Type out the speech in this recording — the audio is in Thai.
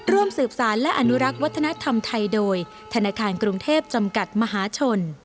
ร่วมสืบสารและอนุรักษ์วัฒนธรรมไทยโดยธนาคารกรุงเทพจำกัดมหาชน